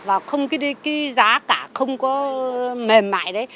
và giá cả không có mềm mại đấy